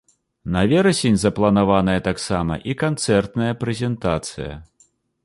На верасень запланаваная таксама і канцэртная прэзентацыя.